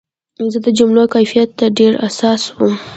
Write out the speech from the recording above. زه د جملو کیفیت ته ډېر حساس وم.